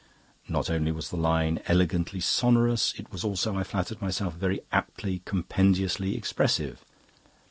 Not only was the line elegantly sonorous; it was also, I flattered myself, very aptly compendiously expressive.